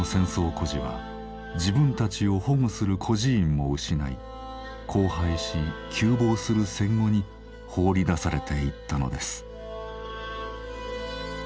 孤児は自分たちを保護する孤児院も失い荒廃し窮乏する戦後に放り出されていったのです。